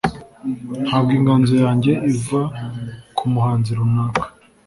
Ntabwo inganzo yanjye iva ku muhanzi runaka